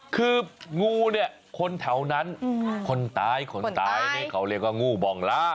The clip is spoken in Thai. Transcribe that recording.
คืองูเนี่ยคนแถวนั้นคนตายคนตายนี่เขาเรียกว่างูบองล่า